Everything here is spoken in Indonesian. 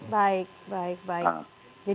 baik baik baik